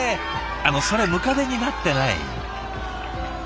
あのそれムカデになってない。